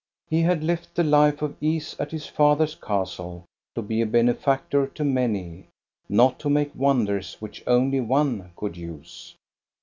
He had left the life of ease at his father's castle to be a benefactor to many, not to make wonders which only one could use.